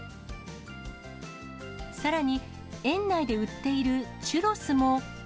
さらに園内で売っているチュロスも。